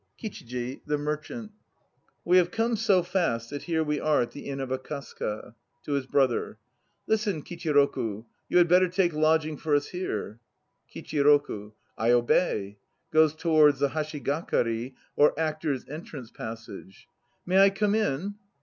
KICHIJI (the merchant). We have come so fast that here we are at the Inn of Akasaka. (To his BROTHER.) Listen, Kichiroku, you had better take lodging for us here. KICHIROKU. I obey. (Goes towards the hashigakari or actors 9 entrance pas sage.) May I come in?